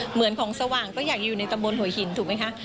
เหมือนของสว่างก็อยากอยู่ในตำบลหัวหินถูกไหมคะ